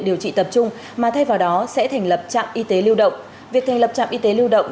điều trị tập trung mà thay vào đó sẽ thành lập trạm y tế lưu động việc thành lập trạm y tế lưu động